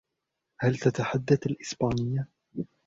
هل تتحدث الإسبانية؟